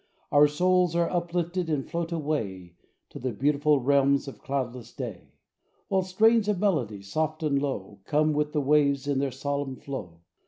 Our souls are uplifted, and float away To the beautiful realms of cloudless day; While strains of melody, soft and low, Come with the waves in their solemn flow.